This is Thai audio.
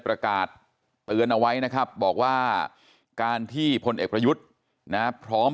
ประกาศเตือนเอาไว้นะครับบอกว่าการที่พลเอกประยุทธ์นะพร้อม